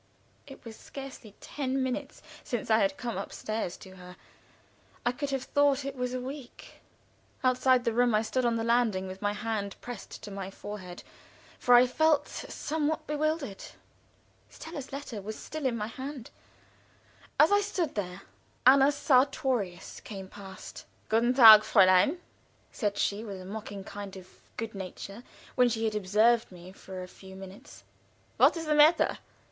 It was scarcely ten minutes since I had come upstairs to her. I could have thought it was a week. Outside the room, I stood on the landing with my hand pressed to my forehead, for I felt somewhat bewildered. Stella's letter was still in my hand. As I stood there Anna Sartorius came past. "Guten Tag, Fräulein," said she, with a mocking kind of good nature when she had observed me for a few minutes. "What is the matter?